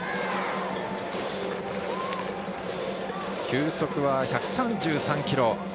球速は１３３キロ。